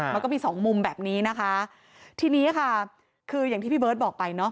มันก็มีสองมุมแบบนี้นะคะทีนี้ค่ะคืออย่างที่พี่เบิร์ตบอกไปเนาะ